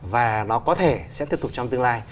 và nó có thể sẽ tiếp tục trong tương lai